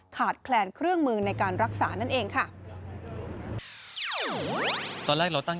แคลนเครื่องมือในการรักษานั่นเองค่ะ